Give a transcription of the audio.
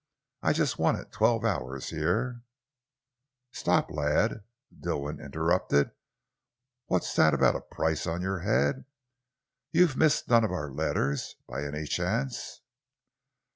I just wanted twelve hours here " "Stop, lad!" Dilwyn interrupted. "What's that about a price on your head? You've missed none of our letters, by any chance?"